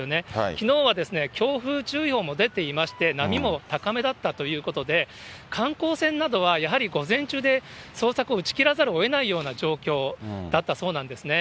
きのうは強風注意報も出ていまして、波も高めだったということで、観光船などはやはり午前中で捜索を打ち切らざるをえないような状況だったそうなんですね。